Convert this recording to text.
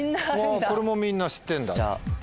これもみんな知ってるんだ。